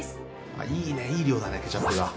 いいねいい量だねケチャップが。